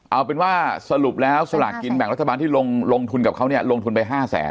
เอาเป็นว่าสรุปแล้วสลากกินแบ่งรัฐบาลที่ลงทุนกับเขาเนี่ยลงทุนไป๕แสน